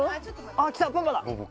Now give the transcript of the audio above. あっきたパパだ。